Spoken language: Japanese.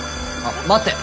待って。